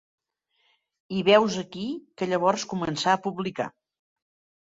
I veus aquí que llavors començà a publicar